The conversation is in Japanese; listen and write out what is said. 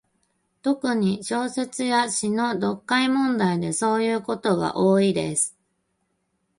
特に、小説や詩の読解問題でそういうことが多いです。